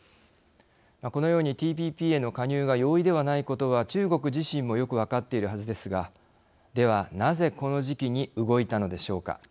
このようにＴＰＰへの加入が容易ではないことは中国自身もよく分かっているはずですがでは、なぜこの時期に動いたのでしょうか。